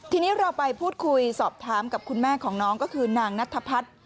ทีนี้เราไปพูดคุยสอบถามกับคุณแม่ของน้องก็คือนางนัทพัฒน์